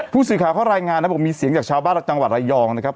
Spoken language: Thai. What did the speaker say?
ผู้สื่อข่าวเขารายงานนะบอกมีเสียงจากชาวบ้านจังหวัดระยองนะครับ